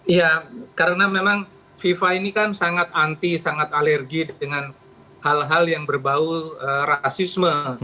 iya karena memang fifa ini kan sangat anti sangat alergi dengan hal hal yang berbau rasisme